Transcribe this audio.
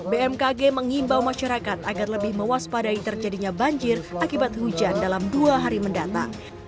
bmkg mengimbau masyarakat agar lebih mewaspadai terjadinya banjir akibat hujan dalam dua hari mendatang